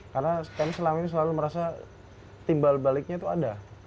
karena kami selama ini selalu merasa timbal baliknya tuh ada